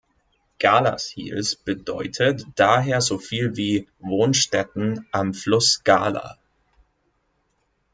Galashiels bedeutet daher so viel wie „Wohnstätten am Fluss Gala“.